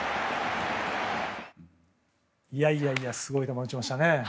いやいやいやすごい球を打ちましたね。